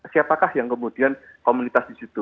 siapakah yang kemudian komunitas di situ